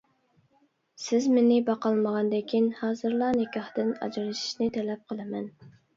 سىز مېنى باقالمىغاندىكىن ھازىرلا نىكاھتىن ئاجرىشىشنى تەلەپ قىلىمەن!